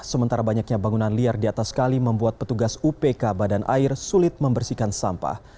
sementara banyaknya bangunan liar di atas kali membuat petugas upk badan air sulit membersihkan sampah